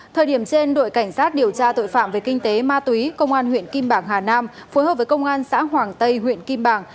thời điểm trên đội cảnh sát điều tra tội phạm về kinh tế ma túy công an huyện kim bảng hà nam phối hợp với công an xã hoàng tây huyện kim bảng